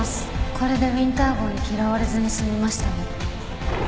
これでウィンター号に嫌われずに済みましたね。